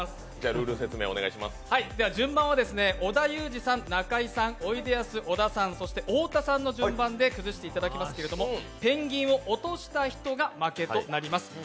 順番を織田さん、中井さん、おいでやす小田さん、太田さんの順番で崩していただきますけれども、ペンギンを落とした人が負けとなります。